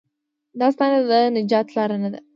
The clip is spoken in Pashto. دا ستاینه د نجات لار نه ده.